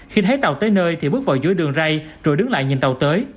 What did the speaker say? khi thấy tàu tới nơi thì bước vào dưới đường rây rồi đứng lại nhìn tàu tới